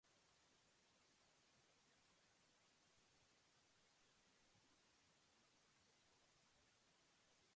El láser de nitrógeno es un láser de fácil montaje y de numerosas aplicaciones.